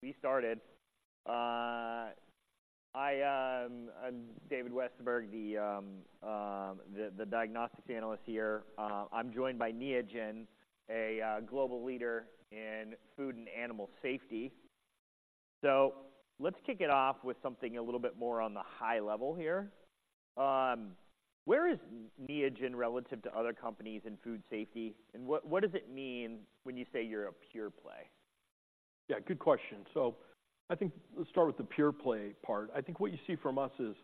I'm David Westenberg, the diagnostics analyst here. I'm joined by Neogen, a global leader in food and animal safety. So let's kick it off with something a little bit more on the high level here. Where is Neogen relative to other companies in food safety, and what does it mean when you say you're a pure play? Yeah, good question. So I think let's start with the pure play part. I think what you see from us is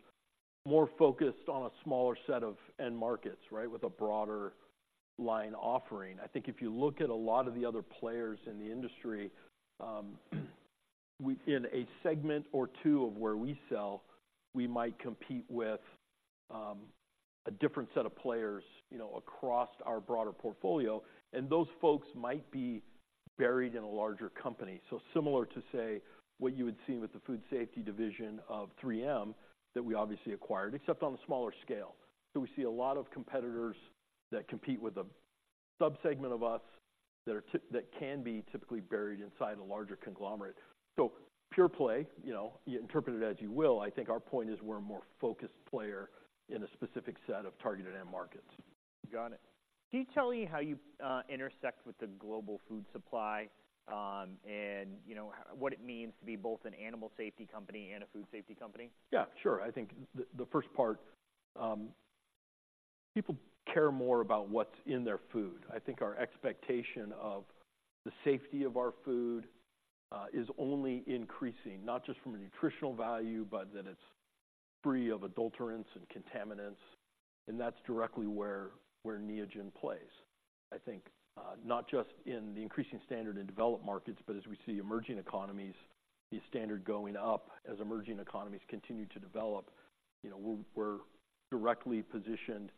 more focused on a smaller set of end markets, right, with a broader line offering. I think if you look at a lot of the other players in the industry, in a segment or two of where we sell, we might compete with a different set of players, you know, across our broader portfolio, and those folks might be buried in a larger company. So similar to, say, what you would see with the food safety division of 3M, that we obviously acquired, except on a smaller scale. So we see a lot of competitors that compete with a subsegment of us that can be typically buried inside a larger conglomerate. So pure play, you know, you interpret it as you will. I think our point is we're a more focused player in a specific set of targeted end markets. Got it. Can you tell me how you intersect with the global food supply? And you know, what it means to be both an animal safety company and a food safety company? Yeah, sure. I think the first part, people care more about what's in their food. I think our expectation of the safety of our food is only increasing, not just from a nutritional value, but that it's free of adulterants and contaminants, and that's directly where Neogen plays. I think not just in the increasing standard in developed markets, but as we see emerging economies, the standard going up as emerging economies continue to develop. You know, we're directly positioned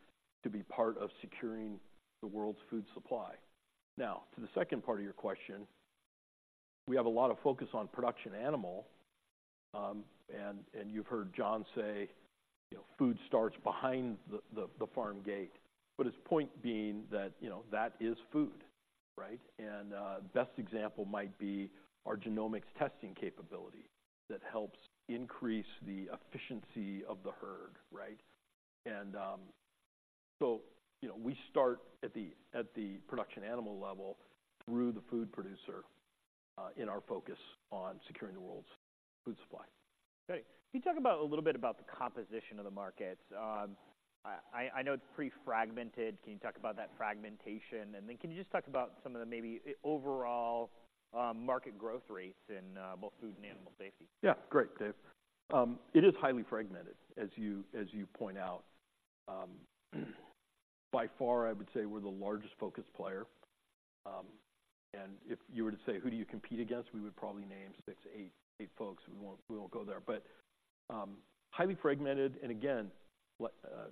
to be part of securing the world's food supply. Now, to the second part of your question, we have a lot of focus on production animal. And you've heard John say, "Food starts behind the farm gate," but his point being that, you know, that is food, right? And, best example might be our genomics testing capability that helps increase the efficiency of the herd, right? And, so, you know, we start at the, at the production animal level through the food producer, in our focus on securing the world's food supply. Great. Can you talk about a little bit about the composition of the markets? I know it's pretty fragmented. Can you talk about that fragmentation, and then can you just talk about some of the maybe overall market growth rates in both food and animal safety? Yeah. Great, Dave. It is highly fragmented, as you, as you point out. By far, I would say we're the largest focus player. And if you were to say, "Who do you compete against?" We would probably name six to eight, eight folks. We won't, we won't go there, but, highly fragmented, and again,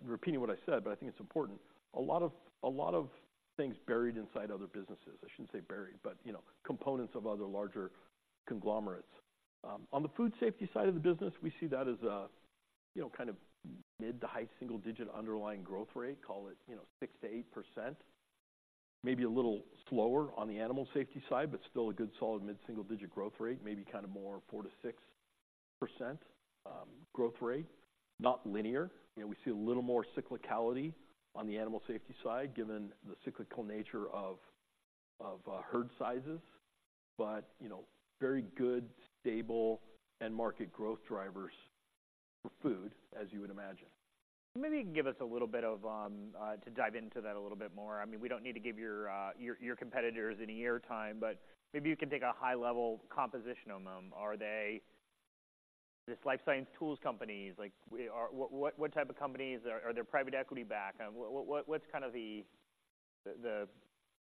repeating what I said, but I think it's important. A lot of, a lot of things buried inside other businesses. I shouldn't say buried, but, you know, components of other larger conglomerates. On the food safety side of the business, we see that as a, you know, kind of mid to high single digit underlying growth rate, call it, you know, 6%-8%. Maybe a little slower on the animal safety side, but still a good, solid mid-single-digit growth rate, maybe kind of more 4%-6% growth rate. Not linear, you know, we see a little more cyclicality on the animal safety side, given the cyclical nature of herd sizes, but, you know, very good, stable, and market growth drivers for food, as you would imagine. Maybe you can give us a little bit of to dive into that a little bit more. I mean, we don't need to give your competitors any airtime, but maybe you can take a high-level composition of them. Are they just life science tools companies, like? What type of companies? Are they private equity-backed? What's kind of the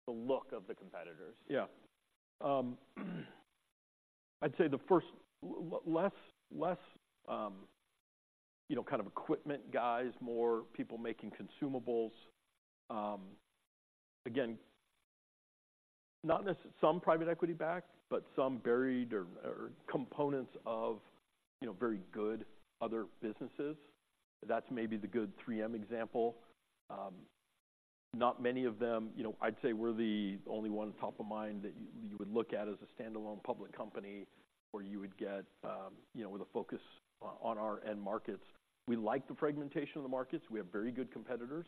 look of the competitors? Yeah. I'd say the first lesson, you know, kind of equipment guys, more people making consumables. Again, not necessarily... Some private equity-backed, but some buried or components of, you know, very good other businesses. That's maybe the good 3M example. Not many of them. You know, I'd say we're the only one top of mind that you would look at as a standalone public company, where you would get, you know, with a focus on our end markets. We like the fragmentation of the markets. We have very good competitors.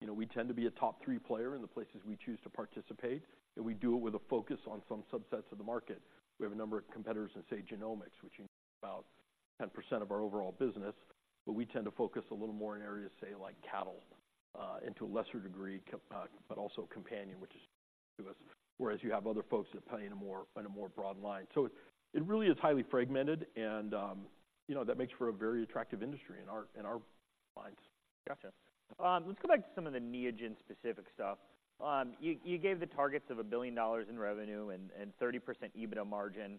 You know, we tend to be a top three player in the places we choose to participate, and we do it with a focus on some subsets of the market. We have a number of competitors in, say, genomics, which is about 10% of our overall business, but we tend to focus a little more in areas, say, like cattle, and to a lesser degree, but also companion, which is to us. Whereas you have other folks that play in a more, in a more broad line. So it, it really is highly fragmented, and, you know, that makes for a very attractive industry in our, in our minds. Gotcha. Let's go back to some of the Neogen-specific stuff. You, you gave the targets of $1 billion in revenue and, and 30% EBITDA margin,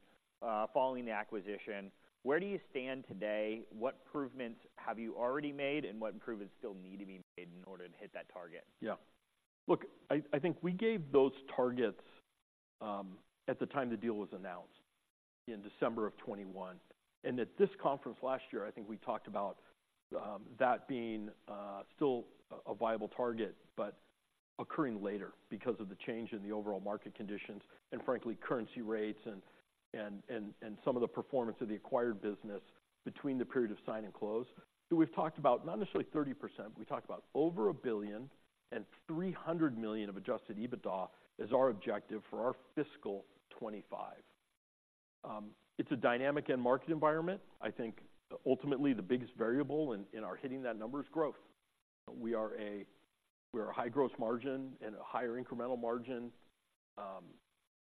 following the acquisition. Where do you stand today? What improvements have you already made, and what improvements still need to be made in order to hit that target? Yeah. Look, I think we gave those targets at the time the deal was announced, in December of 2021, and at this conference last year, I think we talked about that being still a viable target. But occurring later because of the change in the overall market conditions and frankly, currency rates and some of the performance of the acquired business between the period of sign and close. So we've talked about not necessarily 30%, we talked about over $1.3 billion of Adjusted EBITDA as our objective for our fiscal 2025. It's a dynamic end market environment. I think ultimately the biggest variable in our hitting that number is growth. We're a high gross margin and a higher incremental margin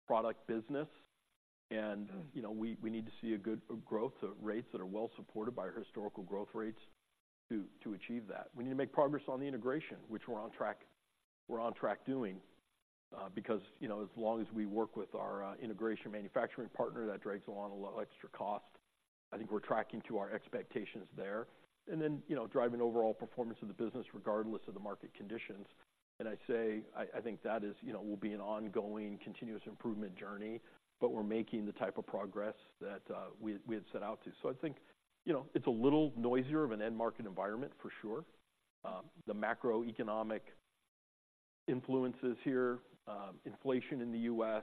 product business, and, you know, we need to see good growth rates that are well supported by our historical growth rates to achieve that. We need to make progress on the integration, which we're on track doing, because, you know, as long as we work with our integration manufacturing partner, that drags along a little extra cost. I think we're tracking to our expectations there. And then, you know, driving overall performance of the business, regardless of the market conditions. And I think that, you know, will be an ongoing continuous improvement journey, but we're making the type of progress that we had set out to. So I think, you know, it's a little noisier of an end market environment for sure. The macroeconomic influences here, inflation in the U.S.,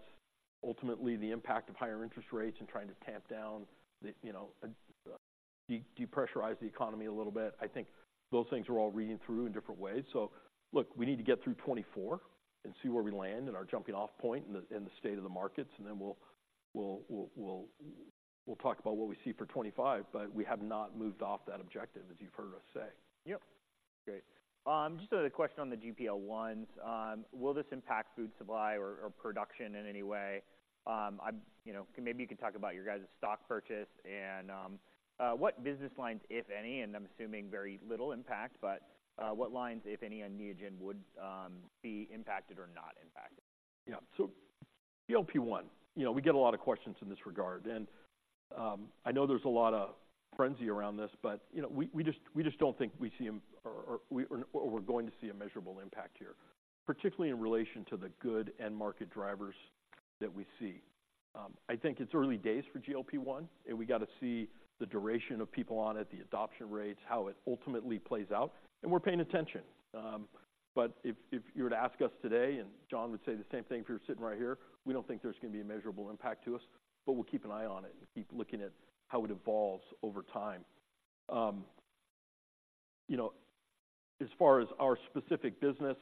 ultimately, the impact of higher interest rates and trying to tamp down the, you know, depressurize the economy a little bit. I think those things are all reading through in different ways. So look, we need to get through 2024 and see where we land and our jumping off point in the, in the state of the markets, and then we'll talk about what we see for 2025, but we have not moved off that objective, as you've heard us say. Yep. Great. Just another question on the GLP-1s. Will this impact food supply or, or production in any way? I'm, you know... Maybe you could talk about your guys' stock purchase and, what business lines, if any, and I'm assuming very little impact, but, what lines, if any, on Neogen, would, be impacted or not impacted? Yeah. So GLP-1, you know, we get a lot of questions in this regard, and, I know there's a lot of frenzy around this, but, you know, we, we just, we just don't think we see them or, or, we or we're going to see a measurable impact here, particularly in relation to the good end market drivers that we see. I think it's early days for GLP-1, and we got to see the duration of people on it, the adoption rates, how it ultimately plays out, and we're paying attention. But if, if you were to ask us today, and John would say the same thing, if he was sitting right here, we don't think there's going to be a measurable impact to us, but we'll keep an eye on it and keep looking at how it evolves over time. You know, as far as our specific business,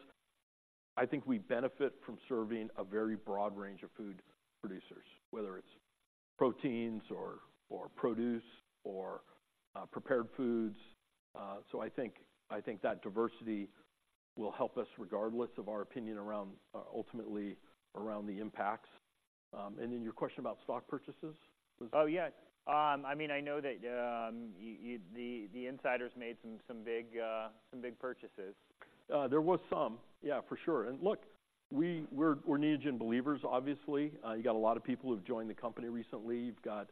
I think we benefit from serving a very broad range of food producers, whether it's proteins or produce or prepared foods. So I think, I think that diversity will help us regardless of our opinion around ultimately around the impacts. And then your question about stock purchases was? Oh, yeah. I mean, I know that you, the insiders made some big purchases. There was some. Yeah, for sure. Look, we're Neogen believers, obviously. You got a lot of people who've joined the company recently. You've got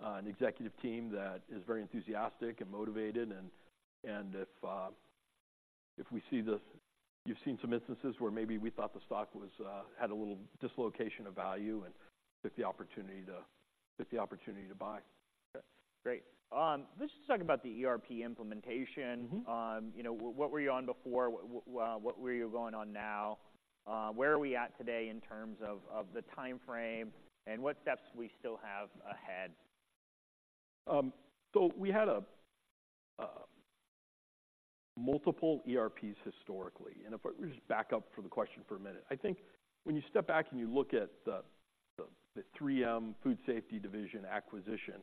an executive team that is very enthusiastic and motivated, and if we see the. You've seen some instances where maybe we thought the stock had a little dislocation of value and took the opportunity to buy. Great. Let's just talk about the ERP implementation. Mm-hmm. You know, what were you on before? What were you going on now? Where are we at today in terms of the timeframe and what steps we still have ahead? So we had a multiple ERPs historically, and if I just back up for the question for a minute. I think when you step back and you look at the 3M Food Safety Division acquisition,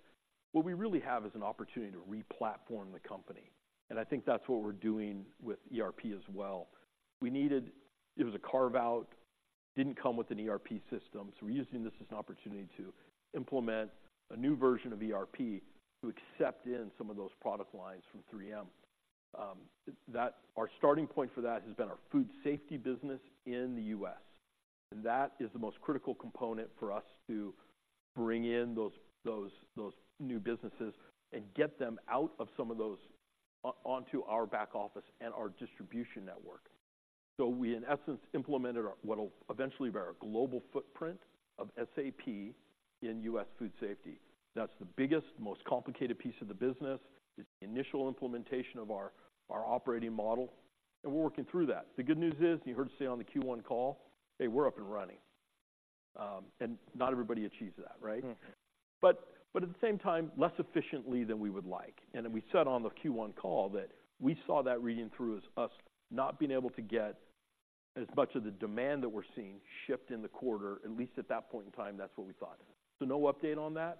what we really have is an opportunity to re-platform the company, and I think that's what we're doing with ERP as well. We needed... It was a carve-out, didn't come with an ERP system, so we're using this as an opportunity to implement a new version of ERP to accept in some of those product lines from 3M. That—Our starting point for that has been our food safety business in the U.S., and that is the most critical component for us to bring in those new businesses and get them out of some of those onto our back office and our distribution network. We, in essence, implemented our what will eventually be our global footprint of SAP in U.S. food safety. That's the biggest, most complicated piece of the business, is the initial implementation of our operating model, and we're working through that. The good news is, you heard us say on the Q1 call, "Hey, we're up and running." And not everybody achieves that, right? Mm. But at the same time, less efficiently than we would like. And then we said on the Q1 call that we saw that reading through as us not being able to get as much of the demand that we're seeing shipped in the quarter, at least at that point in time, that's what we thought. So no update on that,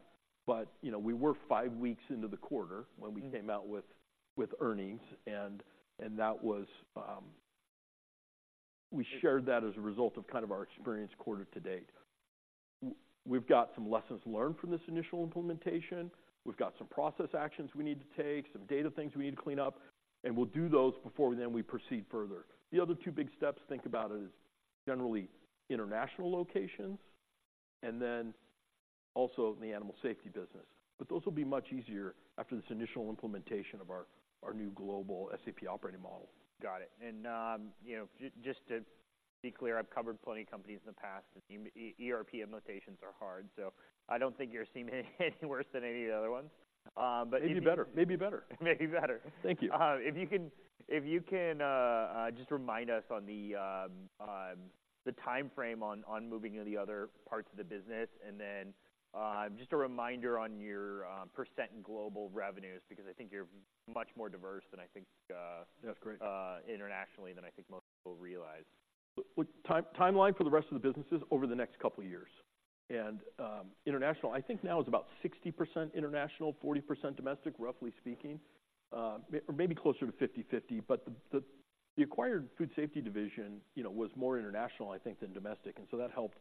but, you know, we were five weeks into the quarter- Mm. when we came out with earnings, and that was, we shared that as a result of kind of our experience quarter to date. We've got some lessons learned from this initial implementation. We've got some process actions we need to take, some data things we need to clean up, and we'll do those before then we proceed further. The other two big steps, think about it as generally international locations and then also in the animal safety business. But those will be much easier after this initial implementation of our new global SAP operating model. Got it. And, you know, just to be clear, I've covered plenty of companies in the past, and the ERP implementations are hard, so I don't think you're seeing any worse than any of the other ones. But- Maybe better. Maybe better. Maybe better. Thank you. If you can, just remind us on the timeframe on moving to the other parts of the business, and then just a reminder on your percent global revenues, because I think you're much more diverse than I think. That's great internationally, than I think most people realize. Timeline for the rest of the businesses, over the next couple of years. International, I think, now is about 60% international, 40% domestic, roughly speaking. Or maybe closer to 50/50, but the acquired food safety division, you know, was more international, I think, than domestic, and so that helped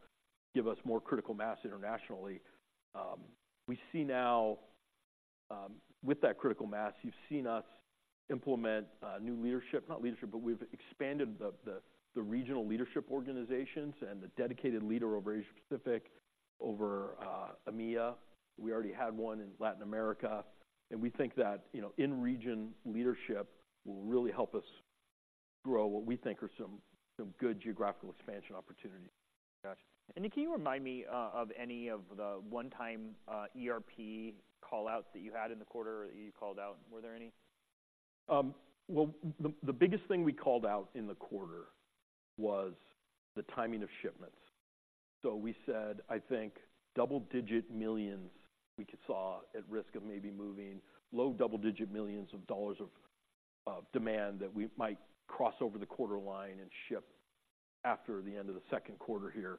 give us more critical mass internationally. We see now, with that critical mass, you've seen us implement new leadership—not leadership, but we've expanded the regional leadership organizations and the dedicated leader over Asia-Pacific, over EMEA. We already had one in Latin America, and we think that, you know, in-region leadership will really help us grow what we think are some good geographical expansion opportunities. Gotcha. And then can you remind me of any of the one-time ERP call-outs that you had in the quarter, or that you called out? Were there any? Well, the biggest thing we called out in the quarter was the timing of shipments. So we said, I think, double-digit $millions we could see at risk of maybe moving low double-digit $millions of demand that we might cross over the quarter line and ship after the end of the second quarter here.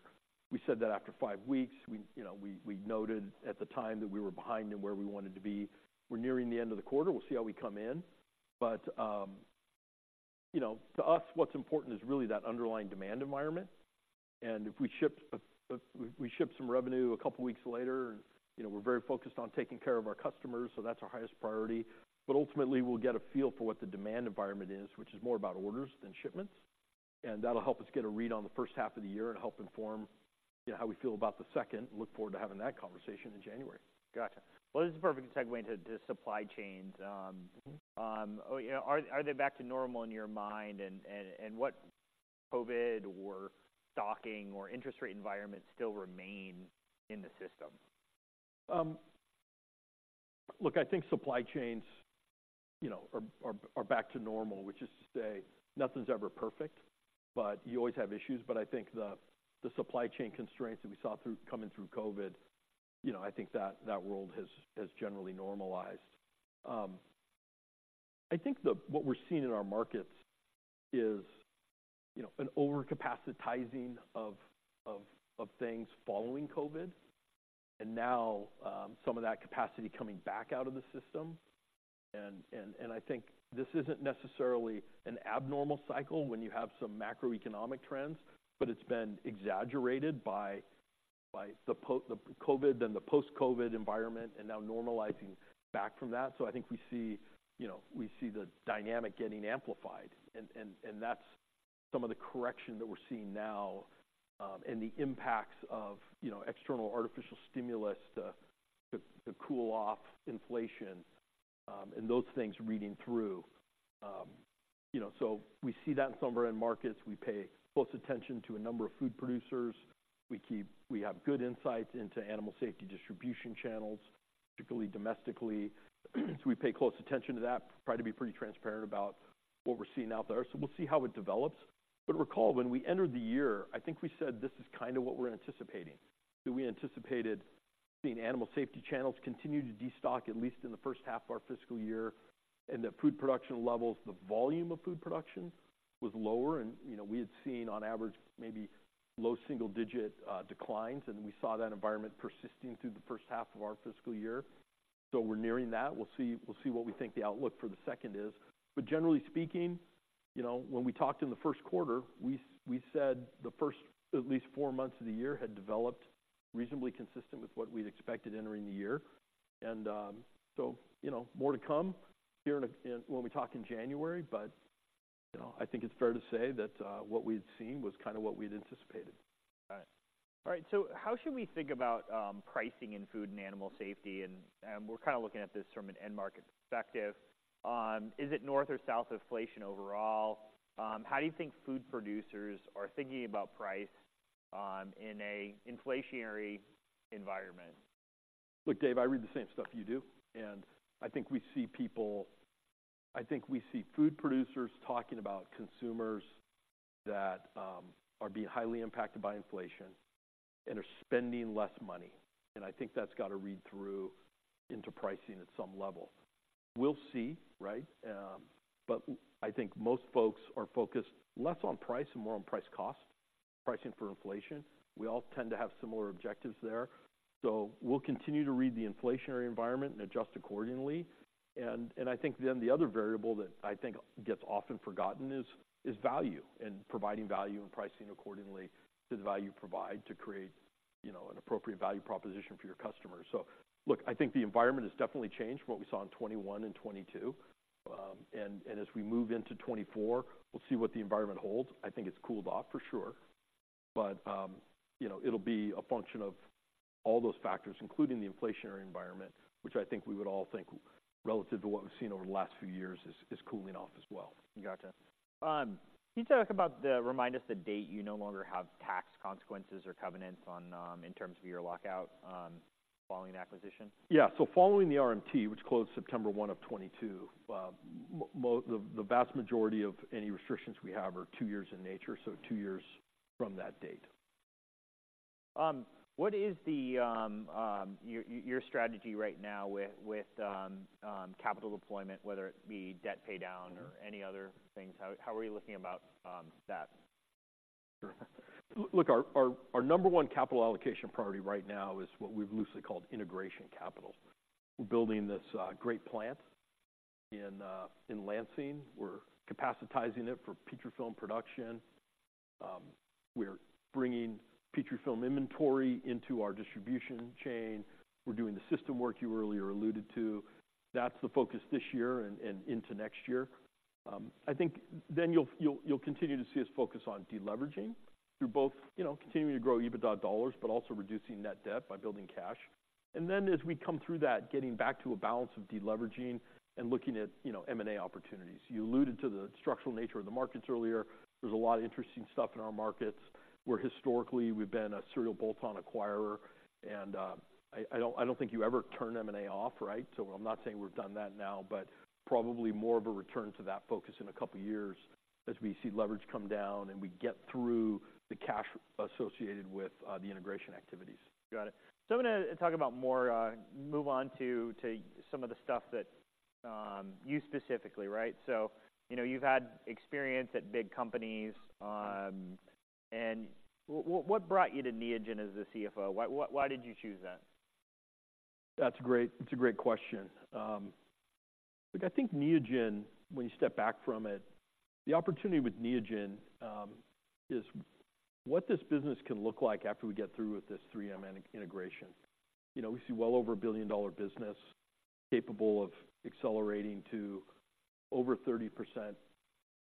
We said that after 5 weeks. You know, we noted at the time that we were behind in where we wanted to be. We're nearing the end of the quarter. We'll see how we come in. But you know, to us, what's important is really that underlying demand environment. And if we ship some revenue a couple of weeks later, you know, we're very focused on taking care of our customers, so that's our highest priority. Ultimately, we'll get a feel for what the demand environment is, which is more about orders than shipments. That'll help us get a read on the first half of the year and help inform, you know, how we feel about the second. Look forward to having that conversation in January. Gotcha. Well, this is a perfect segue into the supply chains. Mm-hmm. You know, are they back to normal in your mind, and what COVID or stocking or interest rate environment still remain in the system? Look, I think supply chains, you know, are back to normal, which is to say, nothing's ever perfect, but you always have issues. But I think the supply chain constraints that we saw through coming through COVID, you know, I think that world has generally normalized. I think what we're seeing in our markets is, you know, an over-capacitizing of things following COVID, and now some of that capacity coming back out of the system. I think this isn't necessarily an abnormal cycle when you have some macroeconomic trends, but it's been exaggerated by the COVID and the post-COVID environment, and now normalizing back from that. So I think we see, you know, we see the dynamic getting amplified, and that's some of the correction that we're seeing now, and the impacts of, you know, external artificial stimulus to cool off inflation, and those things reading through. You know, so we see that in some of our end markets. We pay close attention to a number of food producers. We have good insights into animal safety distribution channels, particularly domestically. So we pay close attention to that, try to be pretty transparent about what we're seeing out there. So we'll see how it develops. But recall, when we entered the year, I think we said this is kind of what we're anticipating. So we anticipated seeing animal safety channels continue to destock, at least in the first half of our fiscal year, and that food production levels, the volume of food production, was lower. And, you know, we had seen, on average, maybe low single-digit declines, and we saw that environment persisting through the first half of our fiscal year. So we're nearing that. We'll see, we'll see what we think the outlook for the second is. But generally speaking, you know, when we talked in the first quarter, we said the first at least four months of the year had developed reasonably consistent with what we'd expected entering the year. And, so, you know, more to come here in a... When we talk in January, but, you know, I think it's fair to say that, what we'd seen was kind of what we'd anticipated. Got it. All right, so how should we think about pricing in food and animal safety? And we're kind of looking at this from an end market perspective. Is it north or south inflation overall? How do you think food producers are thinking about price in an inflationary environment? Look, Dave, I read the same stuff you do, and I think we see food producers talking about consumers that are being highly impacted by inflation and are spending less money. And I think that's got to read through into pricing at some level. We'll see, right? But I think most folks are focused less on price and more on price cost, pricing for inflation. We all tend to have similar objectives there. So we'll continue to read the inflationary environment and adjust accordingly. And I think then the other variable that I think gets often forgotten is value, and providing value and pricing accordingly to the value you provide to create, you know, an appropriate value proposition for your customers. So look, I think the environment has definitely changed from what we saw in 2021 and 2022. And as we move into 2024, we'll see what the environment holds. I think it's cooled off for sure. But you know, it'll be a function of all those factors, including the inflationary environment, which I think we would all think relative to what we've seen over the last few years is cooling off as well. Gotcha. Can you talk about remind us the date you no longer have tax consequences or covenants on, in terms of your lockout, following the acquisition? Yeah. So following the RMT, which closed September 1, 2022, the vast majority of any restrictions we have are two years in nature, so two years from that date. What is your strategy right now with capital deployment, whether it be debt paydown or any other things? How are you looking about that? Sure. Look, our number one capital allocation priority right now is what we've loosely called integration capital. We're building this great plant in Lansing. We're capacitizing it for Petrifilm production. We're bringing Petrifilm inventory into our distribution chain. We're doing the system work you earlier alluded to. That's the focus this year and into next year. I think then you'll continue to see us focus on deleveraging through both, you know, continuing to grow EBITDA dollars, but also reducing net debt by building cash. And then as we come through that, getting back to a balance of deleveraging and looking at, you know, M&A opportunities. You alluded to the structural nature of the markets earlier. There's a lot of interesting stuff in our markets, where historically we've been a serial bolt-on acquirer, and I don't think you ever turn M&A off, right? So I'm not saying we've done that now, but probably more of a return to that focus in a couple of years as we see leverage come down, and we get through the cash associated with the integration activities. Got it. So I'm going to talk about more, move on to, to some of the stuff that, you specifically, right? So, you know, you've had experience at big companies, and what brought you to Neogen as the CFO? Why, why, why did you choose that? That's a great question. Look, I think Neogen, when you step back from it, the opportunity with Neogen is what this business can look like after we get through with this 3M integration. You know, we see well over a billion-dollar business, capable of accelerating to over 30%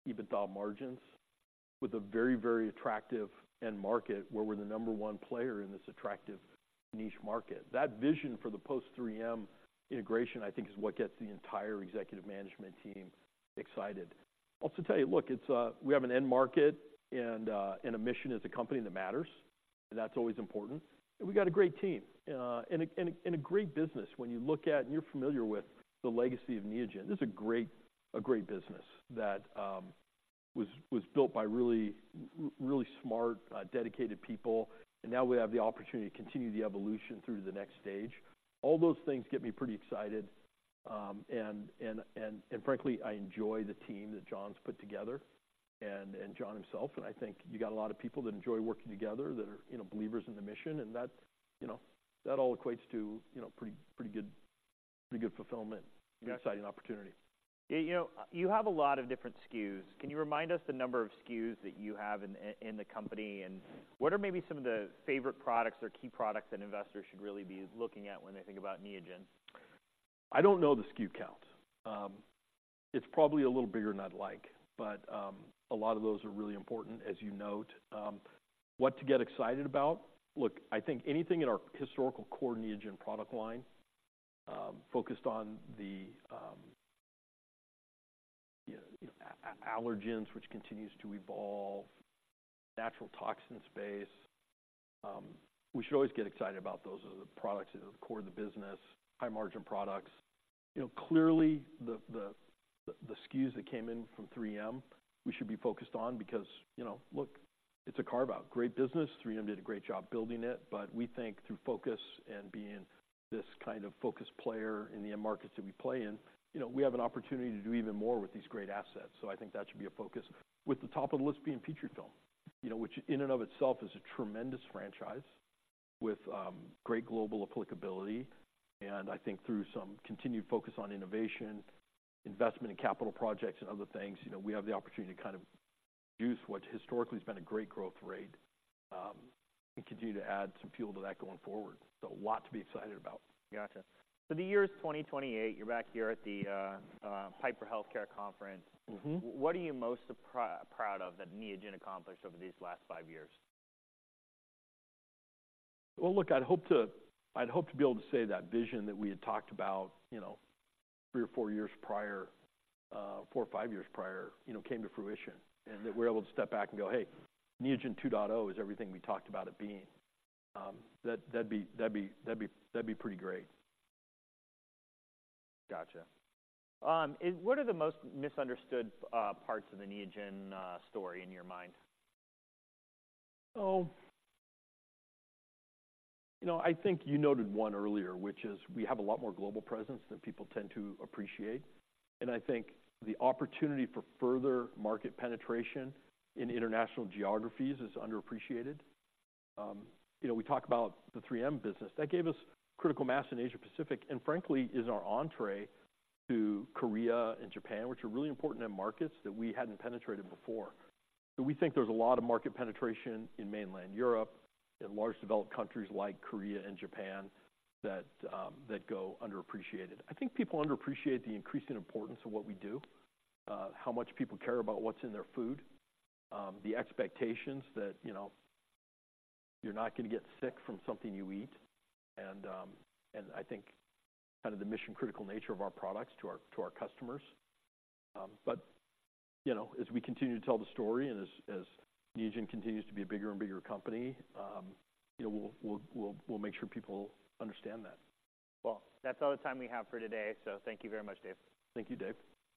EBITDA margins with a very, very attractive end market, where we're the number one player in this attractive niche market. That vision for the post-3M integration, I think, is what gets the entire executive management team excited. Also tell you, look, it's we have an end market and a great business. When you look at, and you're familiar with the legacy of Neogen, this is a great, a great business that was built by really, really smart, dedicated people. And now we have the opportunity to continue the evolution through to the next stage. All those things get me pretty excited, and frankly, I enjoy the team that John's put together and John himself. And I think you got a lot of people that enjoy working together, that are, you know, believers in the mission, and that all equates to, you know, pretty good fulfillment. Gotcha. and exciting opportunity. You know, you have a lot of different SKUs. Can you remind us the number of SKUs that you have in, in the company, and what are maybe some of the favorite products or key products that investors should really be looking at when they think about Neogen? I don't know the SKU count. It's probably a little bigger than I'd like, but a lot of those are really important, as you note. What to get excited about? Look, I think anything in our historical core Neogen product line, focused on the, you know, allergens, which continues to evolve, natural toxin space, we should always get excited about those as the products that are core to the business, high margin products. You know, clearly, the SKUs that came in from 3M, we should be focused on because, you know, look, it's a carve-out. Great business, 3M did a great job building it, but we think through focus and being this kind of focus player in the end markets that we play in, you know, we have an opportunity to do even more with these great assets. So I think that should be a focus, with the top of the list being Petrifilm. You know, which in and of itself is a tremendous franchise with, great global applicability, and I think through some continued focus on innovation, investment in capital projects and other things, you know, we have the opportunity to kind of use what historically has been a great growth rate, and continue to add some fuel to that going forward. So a lot to be excited about. Gotcha. So the year is 2028, you're back here at the Piper Healthcare Conference. Mm-hmm. What are you most proud of that Neogen accomplished over these last five years? Well, look, I'd hope to be able to say that vision that we had talked about, you know, three or four years prior, four or five years prior, you know, came to fruition, and that we're able to step back and go, "Hey, Neogen 2.0 is everything we talked about it being." That'd be pretty great. Gotcha. And what are the most misunderstood parts of the Neogen story in your mind? You know, I think you noted one earlier, which is we have a lot more global presence than people tend to appreciate. I think the opportunity for further market penetration in international geographies is underappreciated. You know, we talk about the 3M business. That gave us critical mass in Asia-Pacific, and frankly, is our entree to Korea and Japan, which are really important end markets that we hadn't penetrated before. We think there's a lot of market penetration in mainland Europe and large developed countries like Korea and Japan, that go underappreciated. I think people underappreciate the increasing importance of what we do, how much people care about what's in their food, the expectations that, you know, you're not going to get sick from something you eat, and I think kind of the mission-critical nature of our products to our customers. But, you know, as we continue to tell the story, and as Neogen continues to be a bigger and bigger company, you know, we'll make sure people understand that. Well, that's all the time we have for today. Thank you very much, Dave. Thank you, Dave.